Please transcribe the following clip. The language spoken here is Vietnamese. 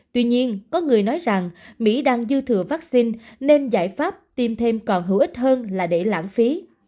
tuy nhiên có người nói rằng mỹ đang dư thừa vaccine nên giải pháp tiêm thêm còn hữu ích hơn là để lãng phí